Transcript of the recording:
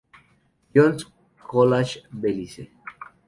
John ́s College, Belice.